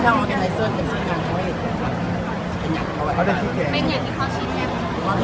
แล้วมันก็ไม่เหมาะมากกว่ามัน